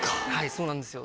そうなんですよ。